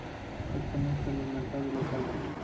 Es común en los mercados locales.